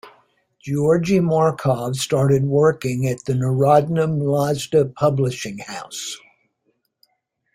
Georgi Markov started working at the Narodna Mladezh publishing house.